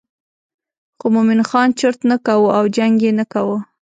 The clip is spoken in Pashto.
خو مومن خان چرت نه کاوه او جنګ یې نه کاوه.